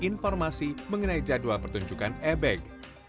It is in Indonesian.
nah ini sudah hilang